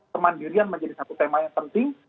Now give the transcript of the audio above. kemandirian menjadi satu tema yang penting